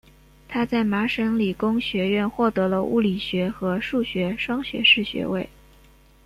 他在麻省理工学院获得了物理学和数学双学士学位。